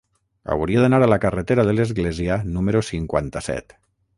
Hauria d'anar a la carretera de l'Església número cinquanta-set.